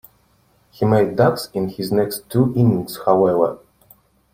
He made ducks in his next two innings however.